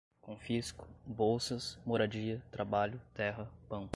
Confisco, bolsas, moradia, trabalho, terra, pão